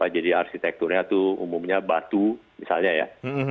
jadi arsitekturnya tuh umumnya batu misalnya ya